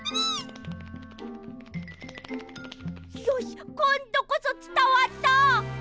よしこんどこそつたわった！